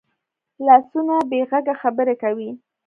لاسونه بې غږه خبرې کوي